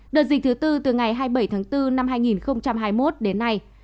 đợt dịch thứ tư từ ngày hai mươi bảy tháng bốn năm hai nghìn hai mươi một đến nay